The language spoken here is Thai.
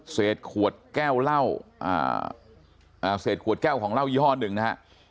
เศษขวดแก้วเหล้าเศษขวดแก้วของเหล้ายี่ห้อหนึ่งนะฮะ